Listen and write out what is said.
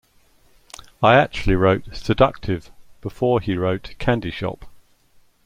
I actually wrote 'Seductive' before he wrote 'Candy Shop'.